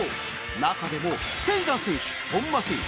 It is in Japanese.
中でも天山選手本間選手